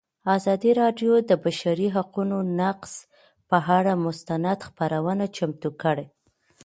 ازادي راډیو د د بشري حقونو نقض پر اړه مستند خپرونه چمتو کړې.